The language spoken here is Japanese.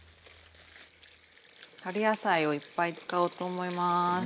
春野菜をいっぱい使おうと思います。